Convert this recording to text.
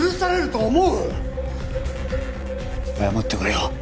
謝ってくれよ。